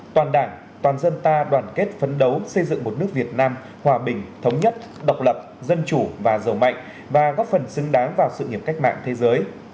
toàn đảng toàn dân ta đoàn kết phấn đấu xây dựng một nước việt nam hòa bình thống nhất độc lập dân chủ và giàu mạnh và góp phần xứng đáng vào sự nghiệp cách mạng thế giới